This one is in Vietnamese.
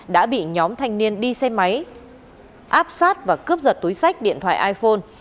đã bị nhóm thanh niên đi xe máy áp sát và cướp giật túi sách điện thoại iphone